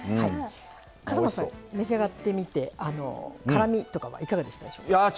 笠松さん召し上がってみて辛みとか、いかがでしたか？